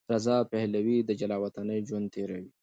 رضا پهلوي د جلاوطنۍ ژوند تېروي.